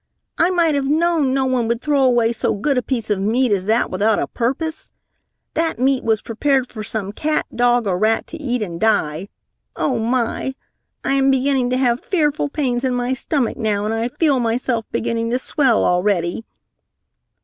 I might have known no one would throw away so good a piece of meat as that without a purpose. That meat was prepared for some cat, dog or rat to eat and die. Oh, my! I am beginning to have fearful pains in my stomach now and I feel myself beginning to swell already!